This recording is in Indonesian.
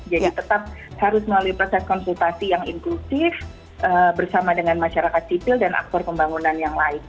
jadi tetap harus melalui proses konsultasi yang inklusif bersama dengan masyarakat sipil dan aktor pembangunan yang lain